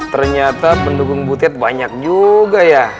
ternyata pendukung butet banyak juga ya